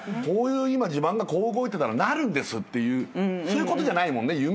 こういう地盤がこう動いてたらなるんですというそういうことじゃないもんね。